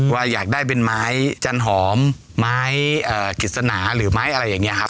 ว่าอยากได้เป็นไม้จันหอมไม้กฤษณาหรือไม้อะไรอย่างนี้ครับ